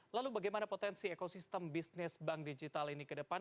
lalu bagaimana potensi ekosistem bisnis bank digital ini ke depan